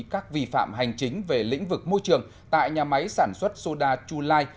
các vi phạm hành chính về lĩnh vực môi trường tại nhà máy sản xuất soda chu lai